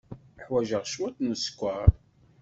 Ḥwajeɣ cwiṭ n sskeṛ.